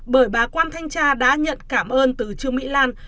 bởi bà quan thanh tra đã nhận cảm ơn từ trương mỹ lan